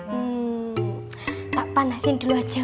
hmmm tak panasin dulu aja